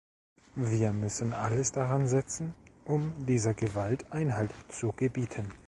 Wir müssen alles daransetzen, um dieser Gewalt Einhalt zu gebieten.